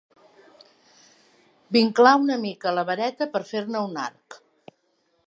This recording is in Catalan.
Vinclà una mica la vareta per fer-ne un arc.